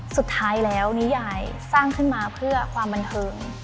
สุดท้ายแล้วนิยายสร้างขึ้นมาเพื่อความบันเทิง